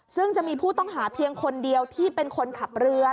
ซึ่งจะมีผู้ต้องหาเพียงคนเดียวที่เป็นคนขับเรือ